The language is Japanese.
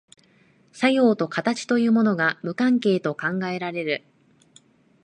作用と形というものが無関係と考えられる。